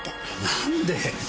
何で！